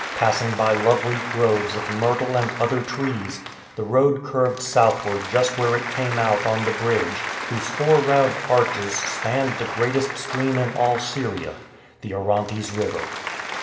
Pass ing by lovely groves of myrtle and other trees, the road curved southward just where it came out on the bridge whose four round arches spanned the greatest stream in all Syria — the Orontes River.